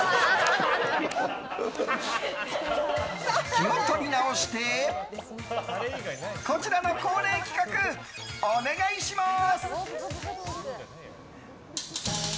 気を取り直してこちらの恒例企画お願いします！